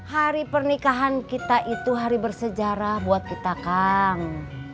hari pernikahan kita itu hari bersejarah buat kita kang